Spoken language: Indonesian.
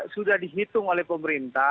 sudah dihitung oleh pemerintah